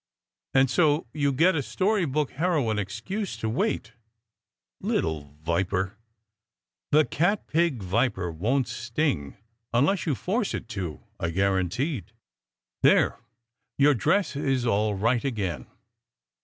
"And so you get a story book heroine excuse to wait!" "Little viper!" " The cat pig viper won t sting unless you force it to," I guaranteed. "There! Your dress is all right again."